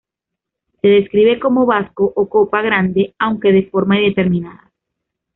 Se describe como vaso o copa grande, aunque de forma indeterminada.